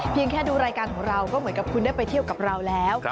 แค่ดูรายการของเราก็เหมือนกับคุณได้ไปเที่ยวกับเราแล้ว